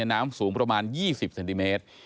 น้ำสูงประมาณ๒๐เซนติเมตร